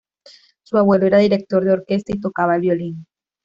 Su abuelo era director de orquesta y tocaba el violín.